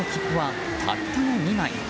パリへの切符はたったの２枚。